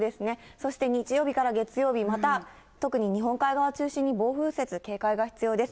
そして、日曜日から月曜日、また特に日本海側を中心に暴風雪、警戒が必要です。